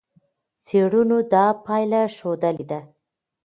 څېړنو دا پایله ښودلې ده.